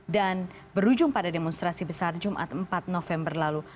dan berujung pada demonstrasi besar jumat empat november lalu